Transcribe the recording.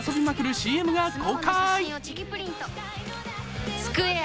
ＣＭが公開。